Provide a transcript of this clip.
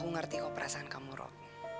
aku ngerti kok perasaan kamu rock